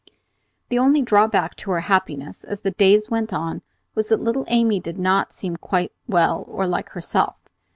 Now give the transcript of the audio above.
The only drawback to her happiness, as the days went on, was that little Amy did not seem quite well or like herself.